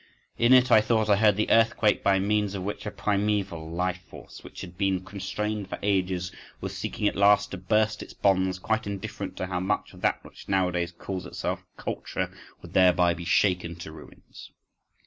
In it I thought I heard the earthquake by means of which a primeval life force, which had been constrained for ages, was seeking at last to burst its bonds, quite indifferent to how much of that which nowadays calls itself culture, would thereby be shaken to ruins.